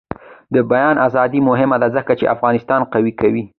د بیان ازادي مهمه ده ځکه چې افغانستان قوي کوي.